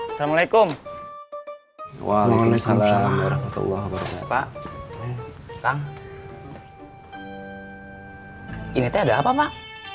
assalamualaikum waalaikumsalam warahmatullah wabarakatuh pak kang ini ada apa pak